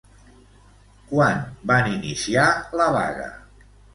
Quan van iniciar la vaga?